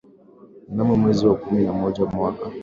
Mnamo mwezi wa kumi na moja mwaka